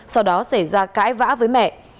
sau đó xảy ra cãi vã với mẹ